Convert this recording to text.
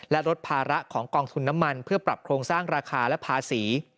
และลดภาระของกองทุนน้ำมันเพื่อปรับโครงสร้างราคาและภาษี